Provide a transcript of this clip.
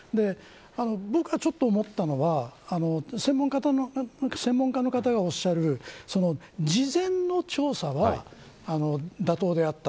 僕が思ったのは専門家の方がおっしゃる事前の調査は妥当であった。